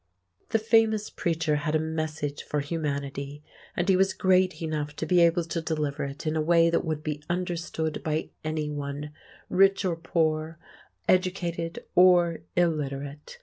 The famous preacher had a Message for humanity; and he was great enough to be able to deliver it in a way that would be understood by anyone, rich or poor, educated or illiterate.